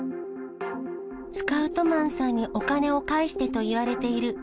スカウトマンさんにお金を返してと言われている。